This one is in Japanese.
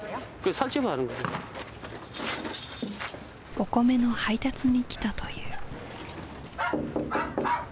お米の配達に来たという。